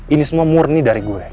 ini semua murni dari gue